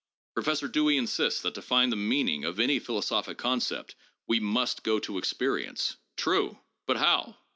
Professor Dewey insists that to find the meaning of any philosophic concept we must go to experience. True! but how?